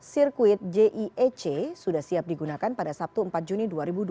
sirkuit jiec sudah siap digunakan pada sabtu empat juni dua ribu dua puluh